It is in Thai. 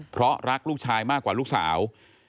เพราะรักลูกชายมากกว่าลูกสาว